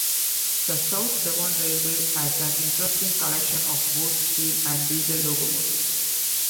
The South Devon Railway has an interesting collection of both steam and diesel locomotives.